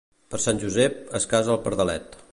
Per Sant Josep, es casa el pardalet.